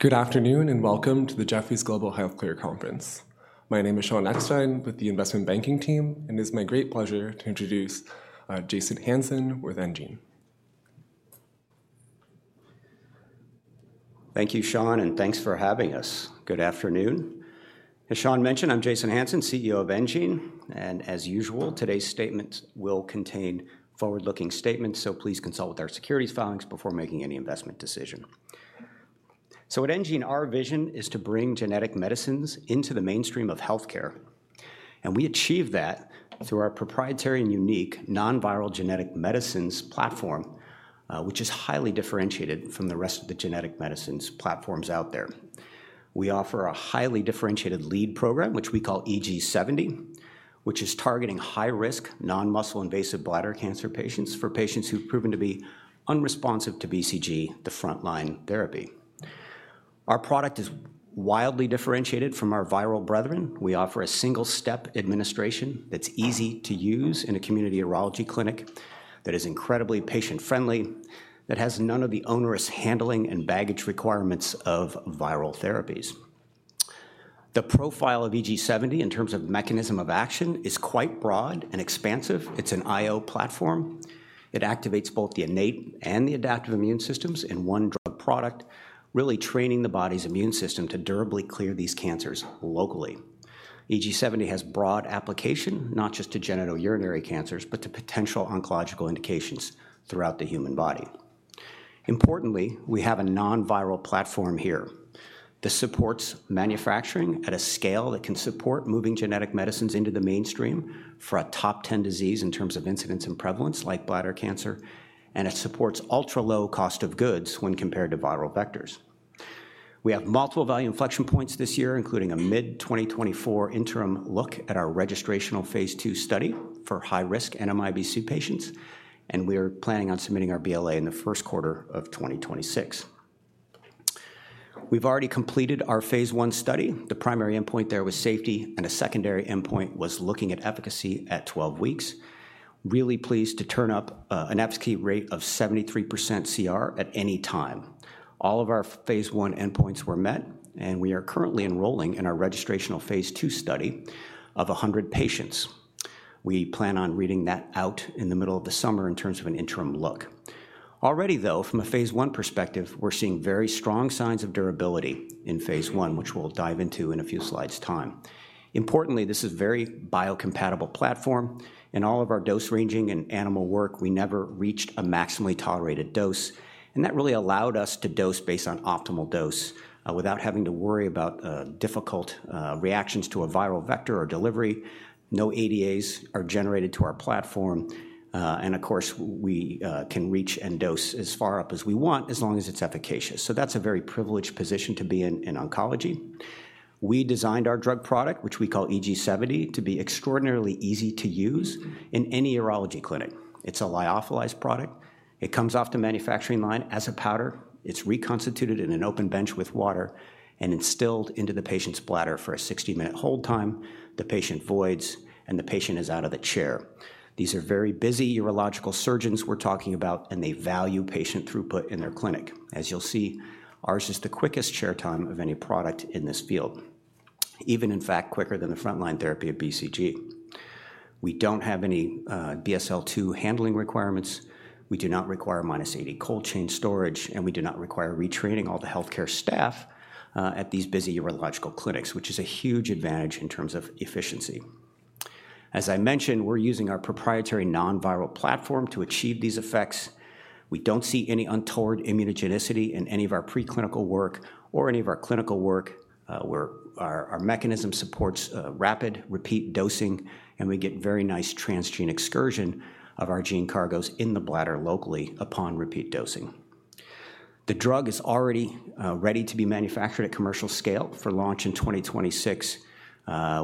Good afternoon, and welcome to the Jefferies Global Healthcare Conference. My name is Shaun Epstein with the Investment Banking team, and it's my great pleasure to introduce Jason Hanson with enGene. Thank you, Shaun, and thanks for having us. Good afternoon. As Shaun mentioned, I'm Jason Hanson, CEO of enGene, and as usual, today's statements will contain forward-looking statements, so please consult with our securities filings before making any investment decision. So at enGene, our vision is to bring genetic medicines into the mainstream of healthcare, and we achieve that through our proprietary and unique non-viral genetic medicines platform, which is highly differentiated from the rest of the genetic medicines platforms out there. We offer a highly differentiated lead program, which we call EG-70, which is targeting high-risk, non-muscle invasive bladder cancer patients, for patients who've proven to be unresponsive to BCG, the frontline therapy. Our product is wildly differentiated from our viral brethren. We offer a single-step administration that's easy to use in a community urology clinic, that is incredibly patient-friendly, that has none of the onerous handling and baggage requirements of viral therapies. The profile of EG-70, in terms of mechanism of action, is quite broad and expansive. It's an IO platform. It activates both the innate and the adaptive immune systems in one drug product, really training the body's immune system to durably clear these cancers locally. EG-70 has broad application, not just to genitourinary cancers, but to potential oncological indications throughout the human body. Importantly, we have a non-viral platform here that supports manufacturing at a scale that can support moving genetic medicines into the mainstream for a top 10 disease in terms of incidence and prevalence, like bladder cancer, and it supports ultra-low cost of goods when compared to viral vectors. We have multiple value inflection points this year, including a mid-2024 interim look at our registrational phase II study for high-risk NMIBC patients, and we're planning on submitting our BLA in the first quarter of 2026. We've already completed our phase I study. The primary endpoint there was safety, and a secondary endpoint was looking at efficacy at 12 weeks. Really pleased to turn up an efficacy rate of 73% CR at any time. All of our phase I endpoints were met, and we are currently enrolling in our registrational phase II study of 100 patients. We plan on reading that out in the middle of the summer in terms of an interim look. Already, though, from a phase I perspective, we're seeing very strong signs of durability in phase I, which we'll dive into in a few slides' time. Importantly, this is very biocompatible platform. In all of our dose ranging and animal work, we never reached a maximally tolerated dose, and that really allowed us to dose based on optimal dose, without having to worry about difficult reactions to a viral vector or delivery. No ADAs are generated to our platform, and of course, we can reach and dose as far up as we want, as long as it's efficacious. So that's a very privileged position to be in in oncology. We designed our drug product, which we call EG-70, to be extraordinarily easy to use in any urology clinic. It's a lyophilized product. It comes off the manufacturing line as a powder. It's reconstituted in an open bench with water and instilled into the patient's bladder for a 60-minute hold time. The patient voids, and the patient is out of the chair. These are very busy urological surgeons we're talking about, and they value patient throughput in their clinic. As you'll see, ours is the quickest chair time of any product in this field, even, in fact, quicker than the frontline therapy of BCG. We don't have any BSL-II handling requirements. We do not require -80 cold chain storage, and we do not require retraining all the healthcare staff at these busy urological clinics, which is a huge advantage in terms of efficiency. As I mentioned, we're using our proprietary non-viral platform to achieve these effects. We don't see any untoward immunogenicity in any of our preclinical work or any of our clinical work, where our mechanism supports rapid repeat dosing, and we get very nice transgene excursion of our gene cargos in the bladder locally upon repeat dosing. The drug is already ready to be manufactured at commercial scale for launch in 2026.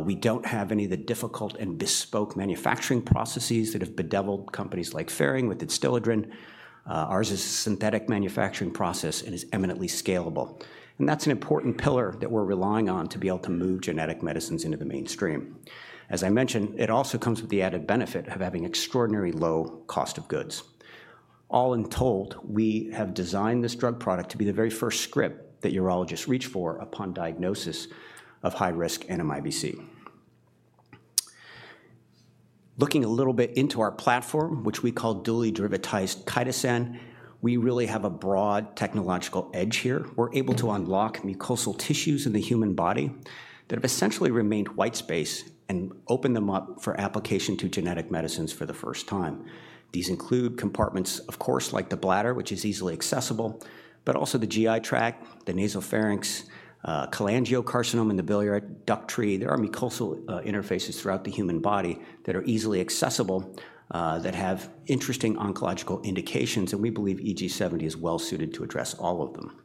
We don't have any of the difficult and bespoke manufacturing processes that have bedeviled companies like Ferring with its Adstiladrin. Ours is a synthetic manufacturing process and is eminently scalable, and that's an important pillar that we're relying on to be able to move genetic medicines into the mainstream. As I mentioned, it also comes with the added benefit of having extraordinary low cost of goods. All in all, we have designed this drug product to be the very first script that urologists reach for upon diagnosis of high-risk NMIBC. Looking a little bit into our platform, which we call dually derivatized chitosan, we really have a broad technological edge here. We're able to unlock mucosal tissues in the human body that have essentially remained white space and open them up for application to genetic medicines for the first time. These include compartments, of course, like the bladder, which is easily accessible, but also the GI tract, the nasopharynx, cholangiocarcinoma in the biliary duct tree. There are mucosal interfaces throughout the human body that are easily accessible, that have interesting oncological indications, and we believe EG-70 is well suited to address all of them.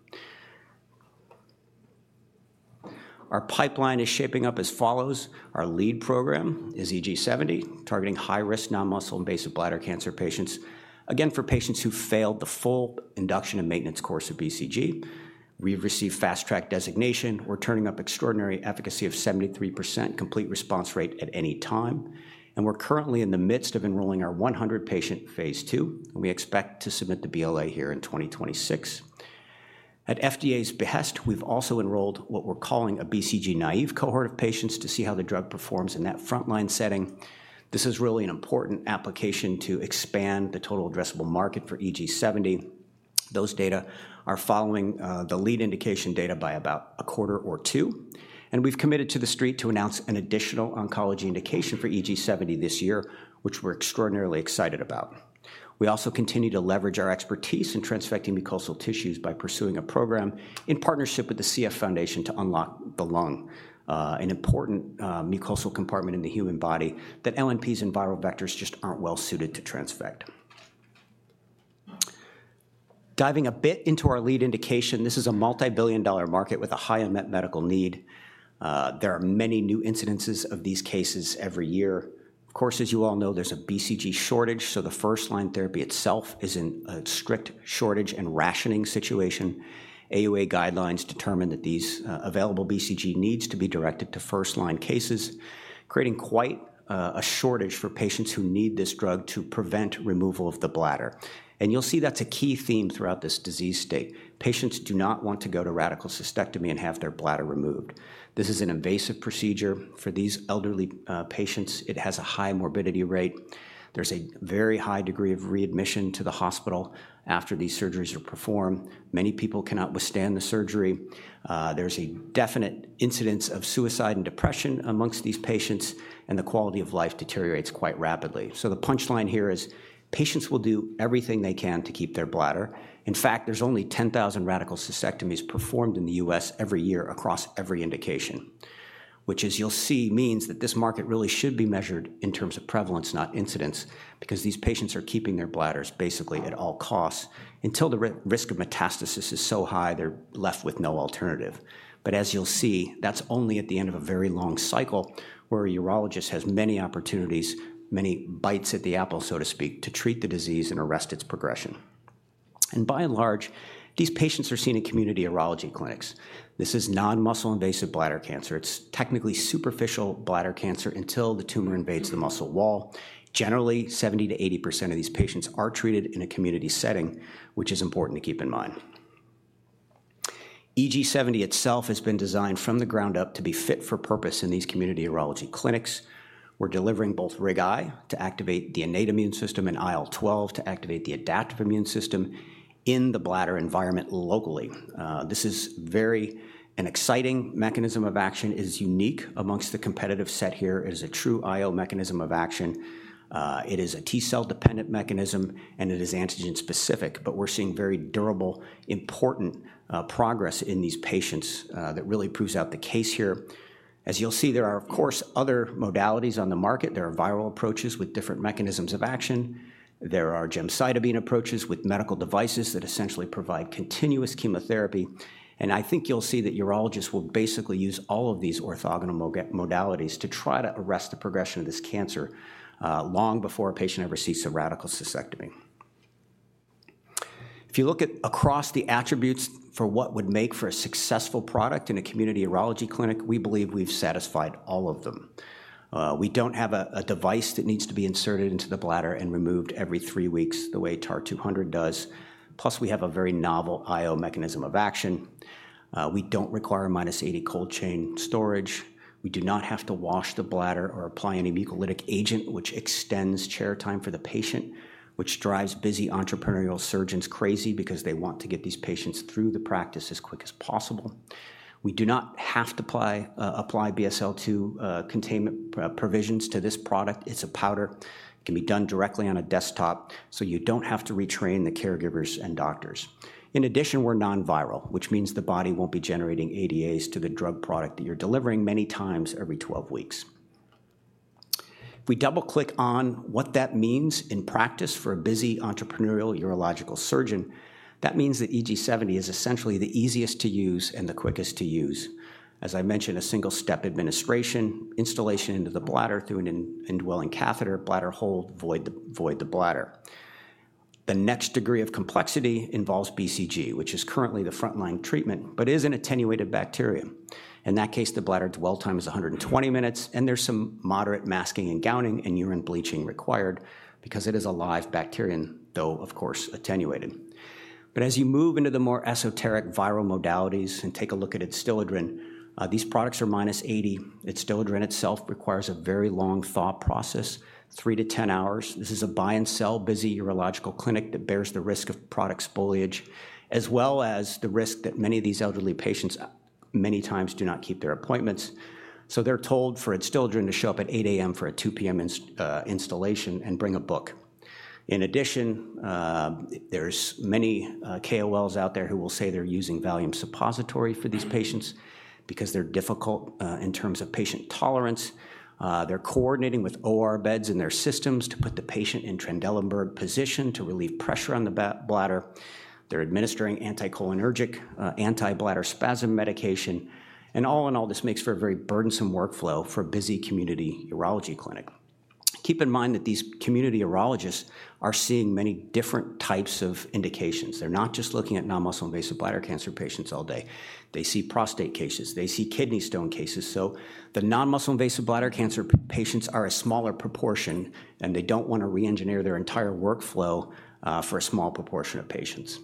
Our pipeline is shaping up as follows: Our lead program is EG-70, targeting high-risk non-muscle invasive bladder cancer patients. Again, for patients who failed the full induction and maintenance course of BCG, we've received Fast Track designation. We're turning up extraordinary efficacy of 73% complete response rate at any time, and we're currently in the midst of enrolling our 100-patient phase II, and we expect to submit the BLA here in 2026. At FDA's behest, we've also enrolled what we're calling a BCG-naïve cohort of patients to see how the drug performs in that frontline setting. This is really an important application to expand the total addressable market for EG-70. Those data are following the lead indication data by about a quarter or two, and we've committed to the street to announce an additional oncology indication for EG-70 this year, which we're extraordinarily excited about. We also continue to leverage our expertise in transfecting mucosal tissues by pursuing a program in partnership with the CF Foundation to unlock the lung, an important mucosal compartment in the human body that LNPs and viral vectors just aren't well suited to transfect. Diving a bit into our lead indication, this is a multibillion-dollar market with a high unmet medical need. There are many new incidences of these cases every year. Of course, as you all know, there's a BCG shortage, so the first-line therapy itself is in a strict shortage and rationing situation. AUA guidelines determine that these available BCG needs to be directed to first-line cases, creating quite a shortage for patients who need this drug to prevent removal of the bladder. And you'll see that's a key theme throughout this disease state. Patients do not want to go to radical cystectomy and have their bladder removed. This is an invasive procedure for these elderly patients. It has a high morbidity rate. There's a very high degree of readmission to the hospital after these surgeries are performed. Many people cannot withstand the surgery. There's a definite incidence of suicide and depression among these patients, and the quality of life deteriorates quite rapidly. So the punchline here is patients will do everything they can to keep their bladder. In fact, there's only 10,000 radical cystectomies performed in the U.S. every year across every indication, which, as you'll see, means that this market really should be measured in terms of prevalence, not incidence, because these patients are keeping their bladders basically at all costs until the risk of metastasis is so high, they're left with no alternative. But as you'll see, that's only at the end of a very long cycle where a urologist has many opportunities, many bites at the apple, so to speak, to treat the disease and arrest its progression. And by and large, these patients are seen in community urology clinics. This is non-muscle invasive bladder cancer. It's technically superficial bladder cancer until the tumor invades the muscle wall. Generally, 70%-80% of these patients are treated in a community setting, which is important to keep in mind. EG-70 itself has been designed from the ground up to be fit for purpose in these community urology clinics. We're delivering both RIG-I to activate the innate immune system and IL-12 to activate the adaptive immune system in the bladder environment locally. This is very an exciting mechanism of action, it is unique amongst the competitive set here. It is a true IO mechanism of action. It is a T cell-dependent mechanism, and it is antigen-specific, but we're seeing very durable, important progress in these patients that really proves out the case here. As you'll see, there are, of course, other modalities on the market. There are viral approaches with different mechanisms of action. There are gemcitabine approaches with medical devices that essentially provide continuous chemotherapy, and I think you'll see that urologists will basically use all of these orthogonal modalities to try to arrest the progression of this cancer long before a patient ever sees a radical cystectomy. If you look at across the attributes for what would make for a successful product in a community urology clinic, we believe we've satisfied all of them. We don't have a device that needs to be inserted into the bladder and removed every three weeks the way TAR-200 does, plus we have a very novel IO mechanism of action. We don't require -80 cold chain storage. We do not have to wash the bladder or apply any mucolytic agent, which extends chair time for the patient, which drives busy entrepreneurial surgeons crazy because they want to get these patients through the practice as quick as possible. We do not have to apply BSL-II containment provisions to this product. It's a powder. It can be done directly on a desktop, so you don't have to retrain the caregivers and doctors. In addition, we're non-viral, which means the body won't be generating ADAs to the drug product that you're delivering many times every 12 weeks. If we double-click on what that means in practice for a busy entrepreneurial urological surgeon, that means that EG-70 is essentially the easiest to use and the quickest to use. As I mentioned, a single-step administration, installation into the bladder through an indwelling catheter, bladder hold, void the bladder. The next degree of complexity involves BCG, which is currently the frontline treatment, but is an attenuated bacteria. In that case, the bladder dwell time is 120 minutes, and there's some moderate masking and gowning and urine bleaching required because it is a live bacterium, though, of course, attenuated. But as you move into the more esoteric viral modalities and take a look at Adstiladrin, these products are minus 80. Adstiladrin itself requires a very long thought process, three to 10 hours. This is a buy and sell busy urological clinic that bears the risk of product spoilage, as well as the risk that many of these elderly patients, many times do not keep their appointments. So they're told for Adstiladrin to show up at 8:00 A.M. for a 2:00 P.M. instillation and bring a book. In addition, there's many KOLs out there who will say they're using Valium suppository for these patients because they're difficult in terms of patient tolerance. They're coordinating with OR beds in their systems to put the patient in Trendelenburg position to relieve pressure on the bladder. They're administering anticholinergic anti-bladder spasm medication, and all in all, this makes for a very burdensome workflow for a busy community urology clinic. Keep in mind that these community urologists are seeing many different types of indications. They're not just looking at non-muscle invasive bladder cancer patients all day. They see prostate cases, they see kidney stone cases. So the non-muscle invasive bladder cancer patients are a smaller proportion, and they don't want to reengineer their entire workflow for a small proportion of patients.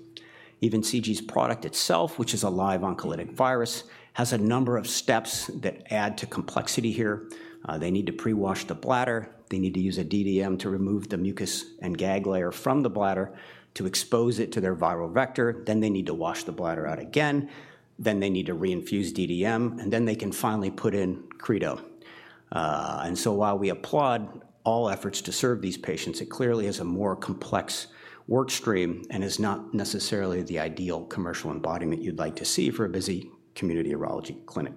Even CG's product itself, which is a live oncolytic virus, has a number of steps that add to complexity here. They need to pre-wash the bladder. They need to use a DDM to remove the mucus and gag layer from the bladder to expose it to their viral vector. Then they need to wash the bladder out again. Then they need to reinfuse DDM, and then they can finally put in Creto. and so while we applaud all efforts to serve these patients, it clearly is a more complex work stream and is not necessarily the ideal commercial embodiment you'd like to see for a busy community urology clinic.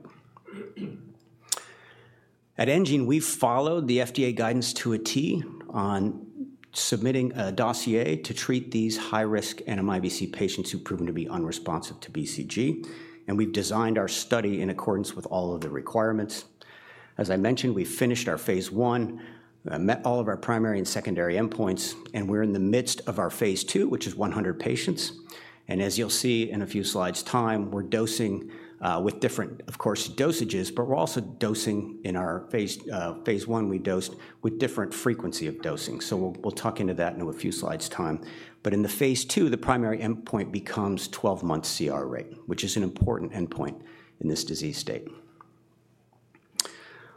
At enGene, we've followed the FDA guidance to a T on submitting a dossier to treat these high-risk NMIBC patients who've proven to be unresponsive to BCG, and we've designed our study in accordance with all of the requirements. As I mentioned, we finished our phase I, met all of our primary and secondary endpoints, and we're in the midst of our phase II, which is 100 patients. As you'll see in a few slides' time, we're dosing with different, of course, dosages, but we're also dosing in our phase Phase I, we dosed with different frequency of dosing, so we'll talk into that in a few slides' time. In the phase II, the primary endpoint becomes 12-month CR rate, which is an important endpoint in this disease state.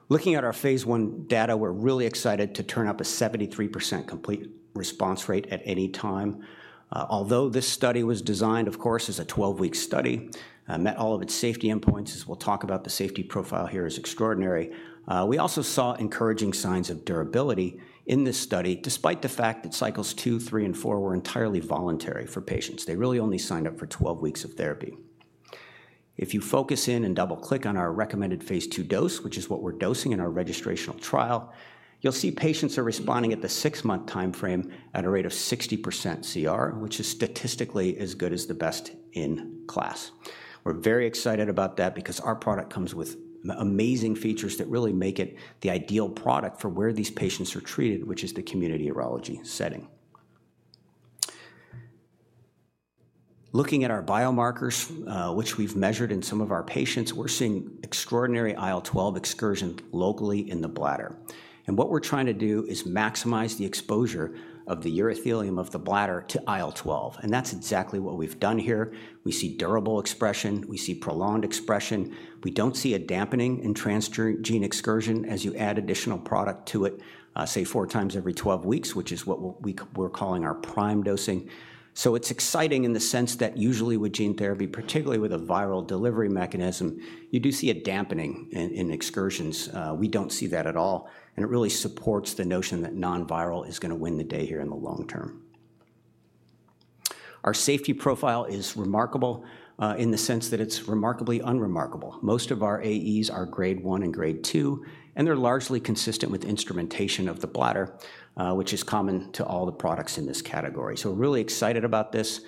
Looking at our phase I data, we're really excited to turn up a 73% complete response rate at any time. Although this study was designed, of course, as a 12-week study, met all of its safety endpoints, as we'll talk about the safety profile here is extraordinary. We also saw encouraging signs of durability in this study, despite the fact that Cycles II, III, and IV were entirely voluntary for patients. They really only signed up for 12 weeks of therapy. If you focus in and double-click on our recommended phase II dose, which is what we're dosing in our registrational trial, you'll see patients are responding at the 6-month timeframe at a rate of 60% CR, which is statistically as good as the best in class. We're very excited about that because our product comes with amazing features that really make it the ideal product for where these patients are treated, which is the community urology setting. Looking at our biomarkers, which we've measured in some of our patients, we're seeing extraordinary IL-12 excursion locally in the bladder. And what we're trying to do is maximize the exposure of the urothelium of the bladder to IL-12, and that's exactly what we've done here. We see durable expression, we see prolonged expression. We don't see a dampening in transgene excursion as you add additional product to it, say, four times every 12 weeks, which is what we're calling our prime dosing. So it's exciting in the sense that usually with gene therapy, particularly with a viral delivery mechanism, you do see a dampening in excursions. We don't see that at all, and it really supports the notion that non-viral is gonna win the day here in the long term. Our safety profile is remarkable in the sense that it's remarkably unremarkable. Most of our AEs are Grade one and Grade two, and they're largely consistent with instrumentation of the bladder, which is common to all the products in this category. So we're really excited about this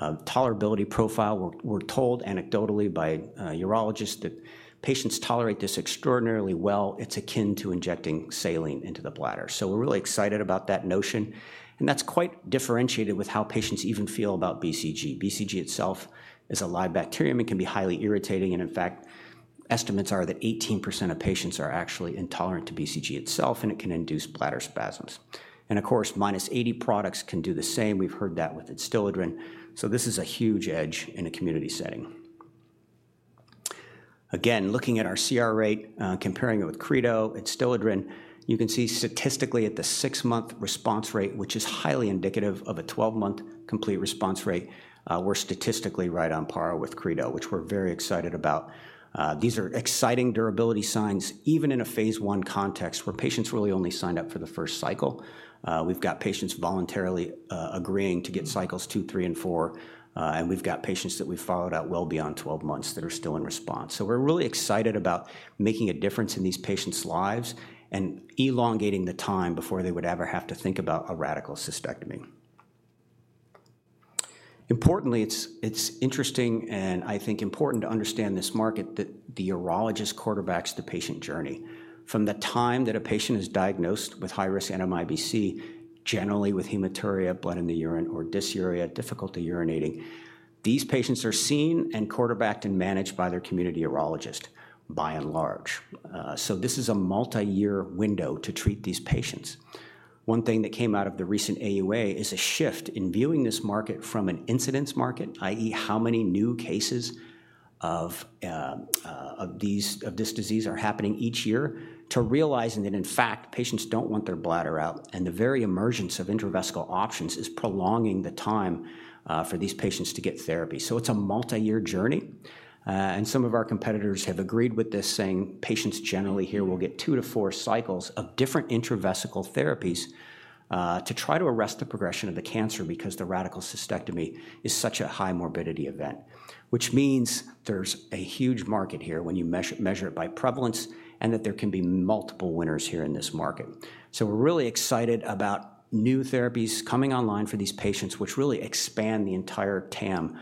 tolerability profile. We're told anecdotally by urologists that patients tolerate this extraordinarily well. It's akin to injecting saline into the bladder. So we're really excited about that notion, and that's quite differentiated with how patients even feel about BCG. BCG itself is a live bacterium. It can be highly irritating, and in fact, estimates are that 18% of patients are actually intolerant to BCG itself, and it can induce bladder spasms. And of course, -80 products can do the same. We've heard that with Adstiladrin, so this is a huge edge in a community setting. Again, looking at our CR rate, comparing it with Credo, Adstiladrin, you can see statistically at the 6-month response rate, which is highly indicative of a 12-month complete response rate, we're statistically right on par with Credo, which we're very excited about. These are exciting durability signs, even in a phase I context, where patients really only signed up for the first cycle. We've got patients voluntarily agreeing to get Cycles II, III, and IV, and we've got patients that we've followed out well beyond 12 months that are still in response. So we're really excited about making a difference in these patients' lives and elongating the time before they would ever have to think about a radical cystectomy. Importantly, it's interesting and I think important to understand this market, that the urologist quarterbacks the patient journey. From the time that a patient is diagnosed with high-risk NMIBC, generally with hematuria, blood in the urine, or dysuria, difficulty urinating, these patients are seen and quarterbacked and managed by their community urologist, by and large. So this is a multiyear window to treat these patients. One thing that came out of the recent AUA is a shift in viewing this market from an incidence market, i.e., how many new cases of this disease are happening each year, to realizing that, in fact, patients don't want their bladder out, and the very emergence of intravesical options is prolonging the time for these patients to get therapy. So it's a multiyear journey, and some of our competitors have agreed with this, saying patients generally here will get two-four cycles of different intravesical therapies to try to arrest the progression of the cancer because the radical cystectomy is such a high morbidity event. Which means there's a huge market here when you measure it by prevalence, and that there can be multiple winners here in this market. So we're really excited about new therapies coming online for these patients, which really expand the entire TAM.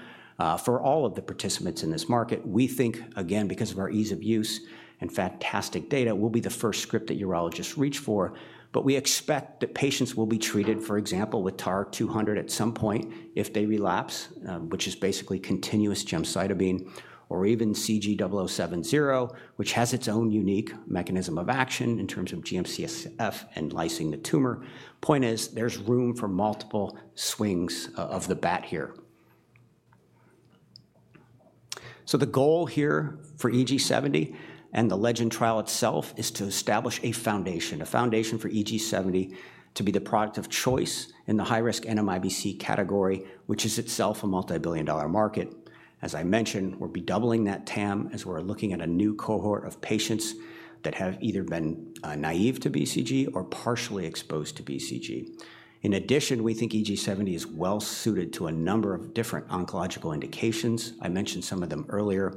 For all of the participants in this market, we think, again, because of our ease of use and fantastic data, we'll be the first script that urologists reach for, but we expect that patients will be treated, for example, with TAR-200 at some point if they relapse, which is basically continuous gemcitabine, or even CG0070, which has its own unique mechanism of action in terms of GM-CSF and lysing the tumor. Point is, there's room for multiple swings of the bat here. So the goal here for EG-70 and the LEGEND trial itself is to establish a foundation, a foundation for EG-70 to be the product of choice in the high-risk NMIBC category, which is itself a multi-billion dollar market. As I mentioned, we'll be doubling that TAM as we're looking at a new cohort of patients that have either been, naive to BCG or partially exposed to BCG. In addition, we think EG-70 is well suited to a number of different oncological indications. I mentioned some of them earlier,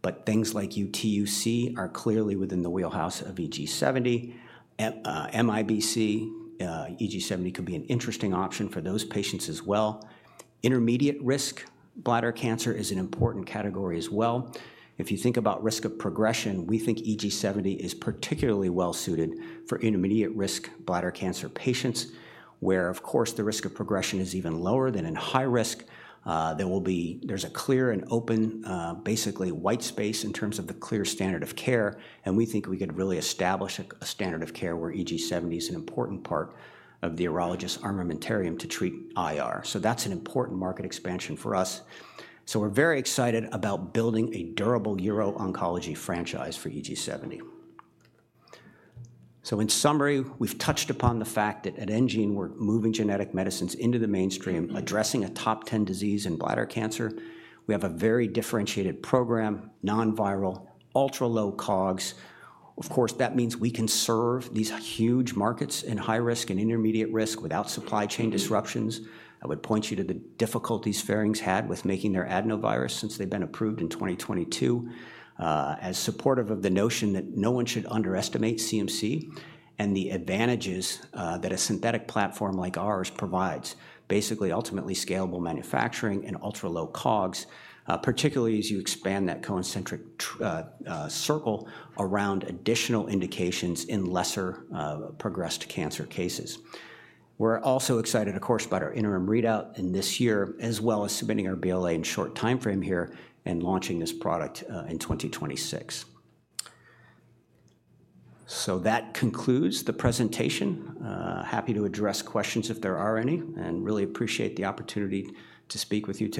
but things like UTUC are clearly within the wheelhouse of EG-70. M, MIBC, EG-70 could be an interesting option for those patients as well. Intermediate risk bladder cancer is an important category as well. If you think about risk of progression, we think EG-70 is particularly well suited for intermediate risk bladder cancer patients, where, of course, the risk of progression is even lower than in high risk. There's a clear and open, basically white space in terms of the clear standard of care, and we think we could really establish a standard of care where EG-70 is an important part of the urologist's armamentarium to treat IR. So that's an important market expansion for us. So we're very excited about building a durable uro-oncology franchise for EG-70. So in summary, we've touched upon the fact that at enGene, we're moving genetic medicines into the mainstream, addressing a top 10 disease in bladder cancer. We have a very differentiated program, non-viral, ultra-low COGS. Of course, that means we can serve these huge markets in high risk and intermediate risk without supply chain disruptions. I would point you to the difficulties Ferring had with making their adenovirus since they've been approved in 2022. As supportive of the notion that no one should underestimate CMC and the advantages that a synthetic platform like ours provides, basically ultimately scalable manufacturing and ultra-low COGS, particularly as you expand that concentric circle around additional indications in lesser progressed cancer cases. We're also excited, of course, about our interim readout in this year, as well as submitting our BLA in short time frame here and launching this product in 2026. So that concludes the presentation. Happy to address questions if there are any, and really appreciate the opportunity to speak with you today.